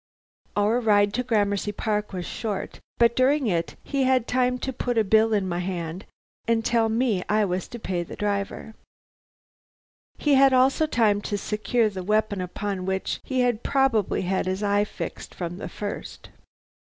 "Our ride to Gramercy Park was short, but during it he had time to put a bill in my hand and tell me I was to pay the driver. He had also time to secure the weapon upon which he had probably had his eye fixed from the first.